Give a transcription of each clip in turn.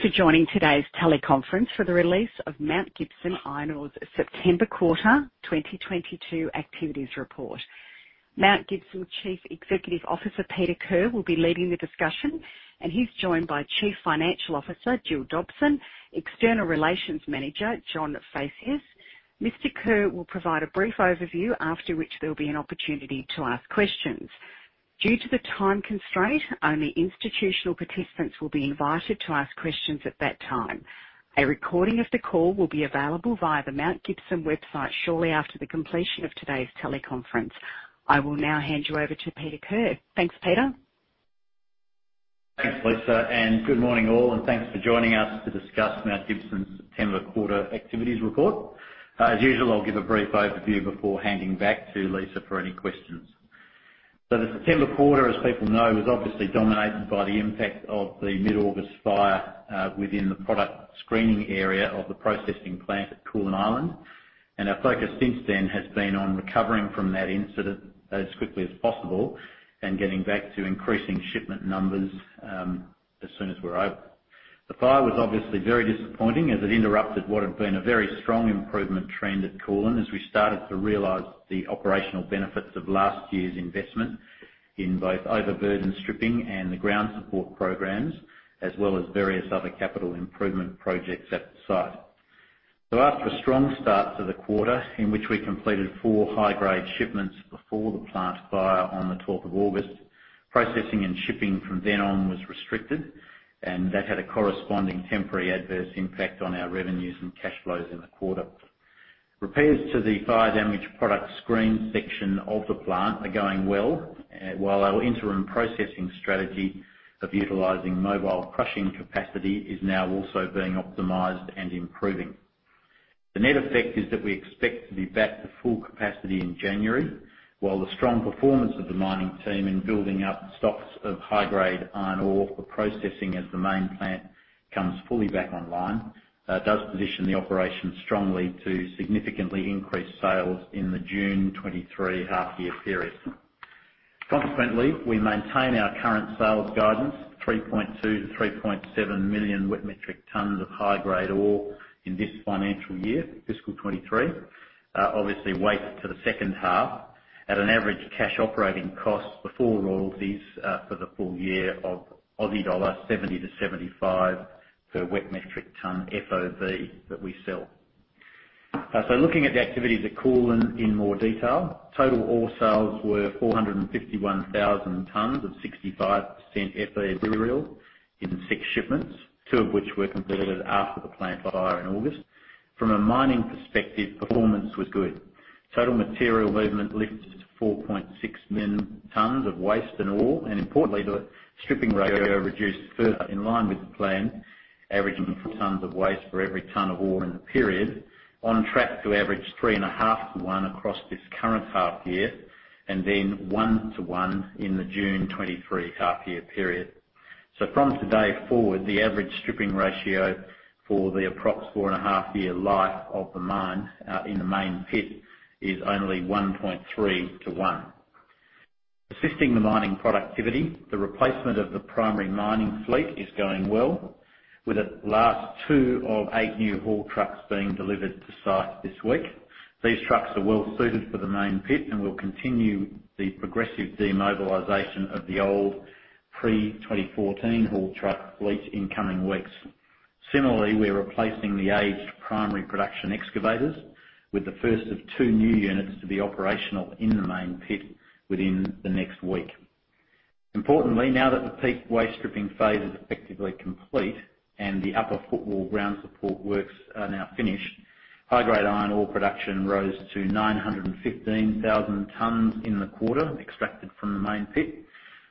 Thank you for joining today's teleconference for the release of Mount Gibson Iron's September quarter 2022 activities report. Mount Gibson Chief Executive Officer, Peter Kerr, will be leading the discussion, and he's joined by Chief Financial Officer, Gill Dobson, External Relations Manager, John Phaceas. Mr. Kerr will provide a brief overview after which there'll be an opportunity to ask questions. Due to the time constraint, only institutional participants will be invited to ask questions at that time. A recording of the call will be available via the Mount Gibson website shortly after the completion of today's teleconference. I will now hand you over to Peter Kerr. Thanks, Peter. Thanks, Lisa, and good morning all, and thanks for joining us to discuss Mount Gibson's September quarter activities report. As usual, I'll give a brief overview before handing back to Lisa for any questions. The September quarter, as people know, was obviously dominated by the impact of the mid-August fire within the product screening area of the processing plant at Koolan Island. Our focus since then has been on recovering from that incident as quickly as possible and getting back to increasing shipment numbers as soon as we're over. The fire was obviously very disappointing as it interrupted what had been a very strong improvement trend at Koolan as we started to realize the operational benefits of last year's investment in both overburden stripping and the ground support programs, as well as various other capital improvement projects at the site. After a strong start to the quarter in which we completed four high-grade shipments before the plant fire on the twelfth of August, processing and shipping from then on was restricted, and that had a corresponding temporary adverse impact on our revenues and cash flows in the quarter. Repairs to the fire-damaged product screen section of the plant are going well, while our interim processing strategy of utilizing mobile crushing capacity is now also being optimized and improving. The net effect is that we expect to be back to full capacity in January, while the strong performance of the mining team in building up stocks of high-grade iron ore for processing as the main plant comes fully back online, does position the operation strongly to significantly increase sales in the June 2023 half year period. Consequently, we maintain our current sales guidance, 3.2 million-3.7 million wet metric tons of high-grade ore in this financial year, fiscal 2023. Obviously weighted to the second half at an average cash operating cost before royalties for the full year of 70-75 Aussie dollar per wet metric ton FOB that we sell. Looking at the activities at Koolan in more detail, total ore sales were 451,000 tons of 65% Fe material in six shipments, two of which were completed after the plant fire in August. From a mining perspective, performance was good. Total material movement lifted to 4.6 million tons of waste and ore, and importantly, the stripping ratio reduced further in line with the plan, averaging 4 tons of waste for every ton of ore in the period, on track to average 3.5 across this current half year, and then 1:1 in the June 2023 half year period. From today forward, the average stripping ratio for the approx 4.5-year life of the mine in the main pit is only 1.3:1. Assisting the mining productivity, the replacement of the primary mining fleet is going well, with the last two of 8 new haul trucks being delivered to site this week. These trucks are well suited for the main pit and will continue the progressive demobilization of the old pre-2014 haul truck fleet in coming weeks. Similarly, we're replacing the aged primary production excavators with the first of two new units to be operational in the main pit within the next week. Importantly, now that the peak waste stripping phase is effectively complete and the upper footwall ground support works are now finished, high-grade iron ore production rose to 915,000 tons in the quarter, extracted from the main pit.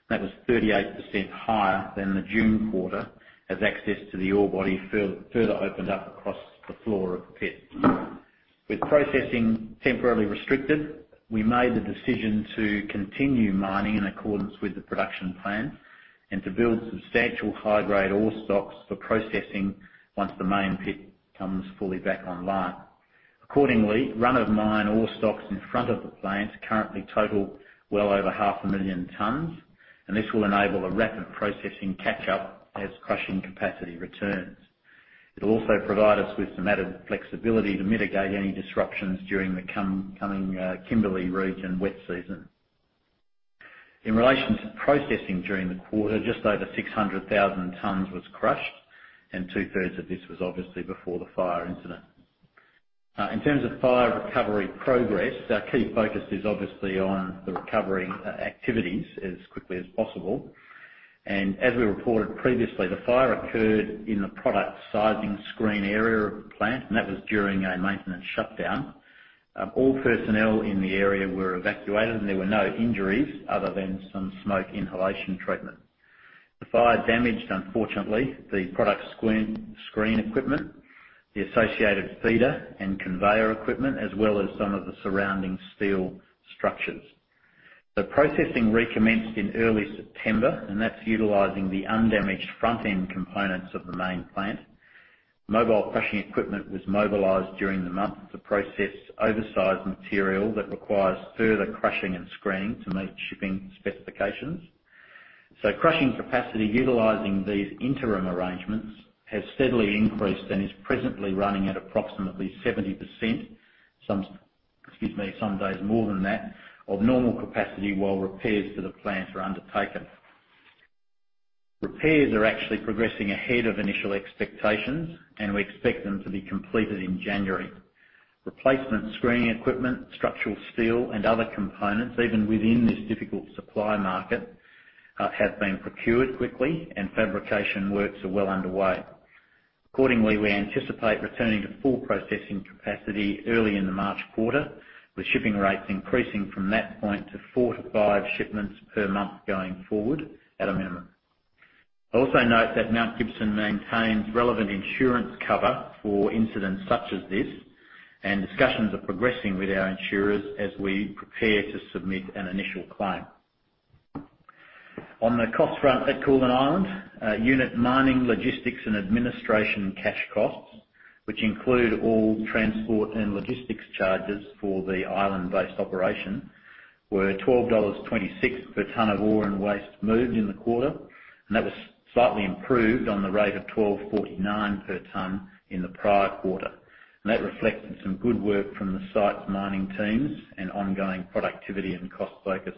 That was 38% higher than the June quarter, as access to the ore body further opened up across the floor of the pit. With processing temporarily restricted, we made the decision to continue mining in accordance with the production plan and to build substantial high-grade ore stocks for processing once the main pit comes fully back online. Accordingly, run of mine ore stocks in front of the plant currently total well over 500,000 tons, and this will enable a rapid processing catch up as crushing capacity returns. It'll also provide us with some added flexibility to mitigate any disruptions during the coming, Kimberley region wet season. In relation to processing during the quarter, just over 600,000 tons was crushed, and two-thirds of this was obviously before the fire incident. In terms of fire recovery progress, our key focus is obviously on the recovery activities as quickly as possible. As we reported previously, the fire occurred in the product sizing screen area of the plant, and that was during a maintenance shutdown. All personnel in the area were evacuated and there were no injuries other than some smoke inhalation treatment. The fire damaged, unfortunately, the product sizing screen equipment, the associated feeder and conveyor equipment, as well as some of the surrounding steel structures. The processing recommenced in early September, and that's utilizing the undamaged front end components of the main plant. Mobile crushing equipment was mobilized during the month to process oversized material that requires further crushing and screening to meet shipping specifications. Crushing capacity utilizing these interim arrangements has steadily increased and is presently running at approximately 70%, excuse me, some days more than that, of normal capacity while repairs to the plant are undertaken. Repairs are actually progressing ahead of initial expectations, and we expect them to be completed in January. Replacement screening equipment, structural steel and other components, even within this difficult supply market, have been procured quickly and fabrication works are well underway. Accordingly, we anticipate returning to full processing capacity early in the March quarter, with shipping rates increasing from that point to 4-5 shipments per month going forward at a minimum. Also note that Mount Gibson maintains relevant insurance cover for incidents such as this, and discussions are progressing with our insurers as we prepare to submit an initial claim. On the cost front at Koolan Island, unit mining, logistics, and administration cash costs, which include all transport and logistics charges for the island-based operation, were 12.26 dollars per ton of ore and waste moved in the quarter. That was slightly improved on the rate of 124.9 per ton in the prior quarter. That reflected some good work from the site's mining teams and ongoing productivity and cost focus.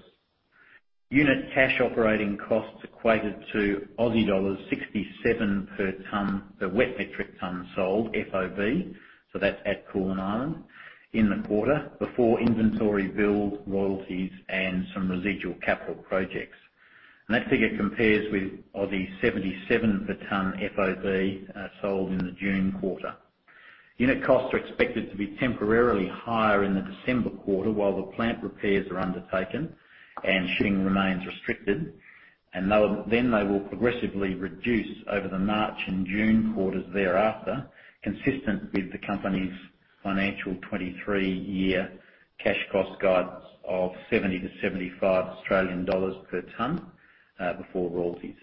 Unit cash operating costs equated to Aussie dollars 67 per wet metric ton sold FOB, so that's at Koolan Island, in the quarter before inventory build, royalties, and some residual capital projects. That figure compares with 77 per ton FOB sold in the June quarter. Unit costs are expected to be temporarily higher in the December quarter while the plant repairs are undertaken and shipping remains restricted. They will progressively reduce over the March and June quarters thereafter, consistent with the company's financial 2023 year cash cost guidance of 70-75 Australian dollars per ton before royalties.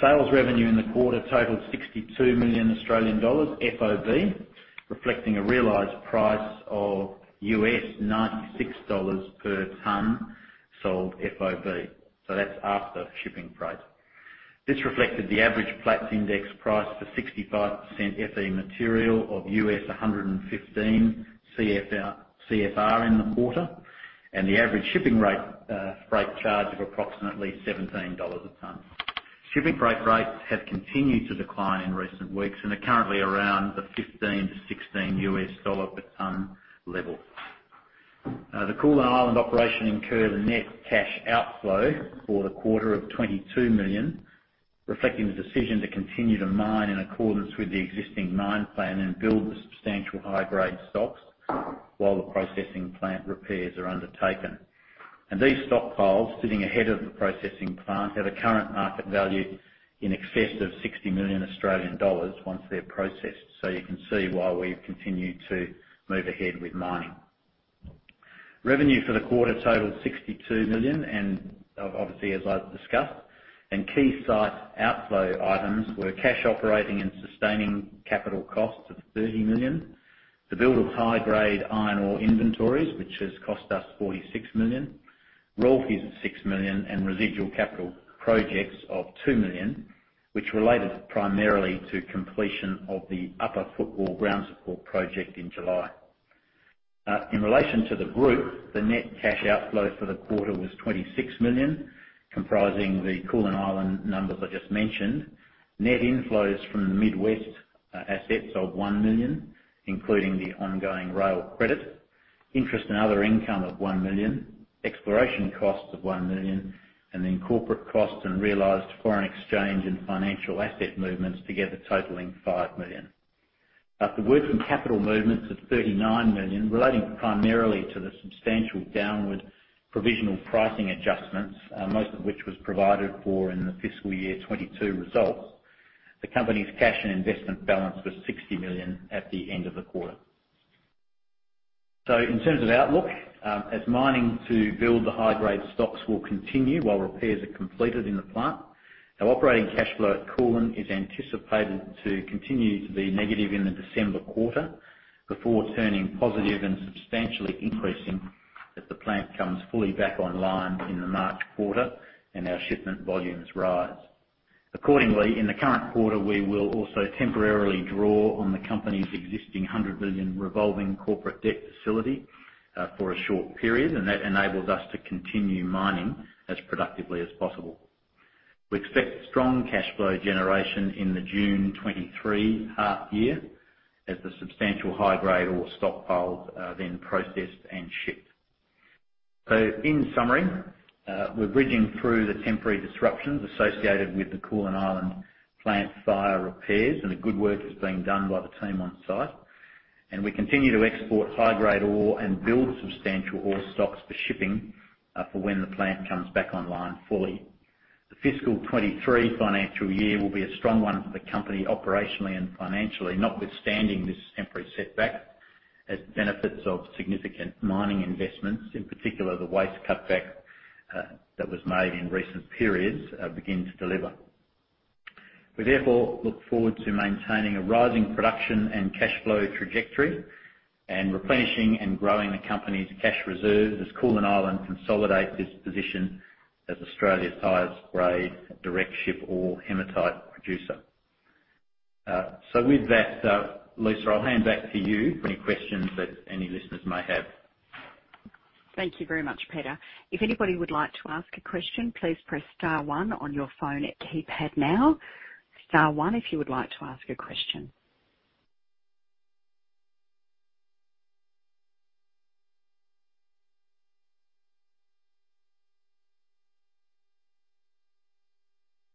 Sales revenue in the quarter totaled 62 million Australian dollars FOB, reflecting a realized price of $96 per ton sold FOB. That's after shipping freight. This reflected the average Platts index price for 65% Fe material of $115 CFR in the quarter and the average shipping rate, freight charge of approximately $17 a ton. Shipping freight rates have continued to decline in recent weeks and are currently around the $15-$16 per ton level. The Koolan Island operation incurred a net cash outflow for the quarter of 22 million, reflecting the decision to continue to mine in accordance with the existing mine plan and build the substantial high-grade stocks while the processing plant repairs are undertaken. These stockpiles, sitting ahead of the processing plant, have a current market value in excess of 60 million Australian dollars once they're processed. You can see why we've continued to move ahead with mining. Revenue for the quarter totaled 62 million, and, obviously, as I've discussed, and key site outflow items were cash operating and sustaining capital costs of 30 million. The build of high-grade iron ore inventories, which has cost us 46 million. Royalties of 6 million and residual capital projects of 2 million, which related primarily to completion of the upper footwall ground support project in July. In relation to the group, the net cash outflow for the quarter was 26 million, comprising the Koolan Island numbers I just mentioned. Net inflows from Midwest assets of 1 million, including the ongoing rail credit, interest and other income of 1 million, exploration costs of 1 million, and then corporate costs and realized foreign exchange and financial asset movements together totaling 5 million. After working capital movements of 39 million, relating primarily to the substantial downward provisional pricing adjustments, most of which was provided for in the fiscal year 2022 results, the company's cash and investment balance was AUD 60 million at the end of the quarter. In terms of outlook, as mining to build the high-grade stocks will continue while repairs are completed in the plant. Now, operating cash flow at Koolan is anticipated to continue to be negative in the December quarter before turning positive and substantially increasing as the plant comes fully back online in the March quarter and our shipment volumes rise. Accordingly, in the current quarter, we will also temporarily draw on the company's existing 100 million revolving corporate debt facility for a short period, and that enables us to continue mining as productively as possible. We expect strong cash flow generation in the June 2023 half year as the substantial high-grade ore stockpiles are then processed and shipped. In summary, we're bridging through the temporary disruptions associated with the Koolan Island plant fire repairs, and good work is being done by the team on-site, and we continue to export high-grade ore and build substantial ore stocks for shipping for when the plant comes back online fully. The fiscal 2023 financial year will be a strong one for the company operationally and financially, notwithstanding this temporary setback, as benefits of significant mining investments, in particular the waste cutback, that was made in recent periods, begin to deliver. We therefore look forward to maintaining a rising production and cash flow trajectory and replenishing and growing the company's cash reserves as Koolan Island consolidates its position as Australia's highest grade direct shipping ore hematite producer. With that, Lisa, I'll hand back to you for any questions that any listeners may have. Thank you very much, Peter. If anybody would like to ask a question, please press star one on your phone keypad now. Star one if you would like to ask a question.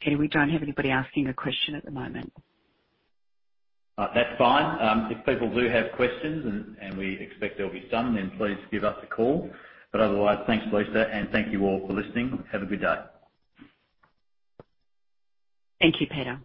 Peter, we don't have anybody asking a question at the moment. That's fine. If people do have questions, and we expect there'll be some, then please give us a call. Otherwise, thanks, Lisa, and thank you all for listening. Have a good day. Thank you, Peter.